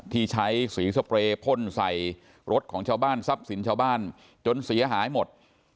ที่ใช้สีสเปรย์พ่นใส่รถของชาวบ้านทรัพย์สินชาวบ้านจนเสียหายหมด